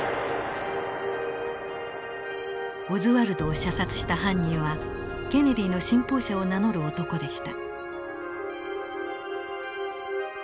オズワルドを射殺した犯人はケネディの信奉者を名乗る男でした。